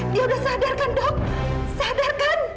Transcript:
dia udah sadar kan dok sadar kan